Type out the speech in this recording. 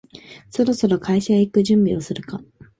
そろそろ会社へ行く準備をするか